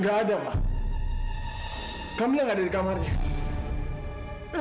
gak ada ma kamila gak ada di kamarnya